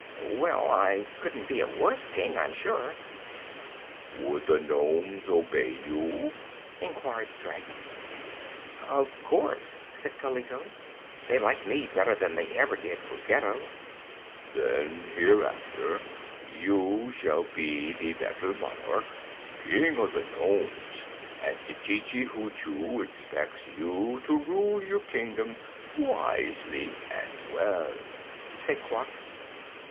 "Well, I couldn't be a worse King, I'm sure." "Would the nomes obey you?" inquired the dragon. "Of course," said Kaliko. "They like me better than ever they did Ruggedo." "Then hereafter you shall be the Metal Monarch, King of the Nomes, and Tititi Hoochoo expects you to rule your Kingdom wisely and well," said Quox.